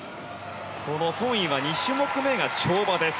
このソン・イは２種目めが跳馬です。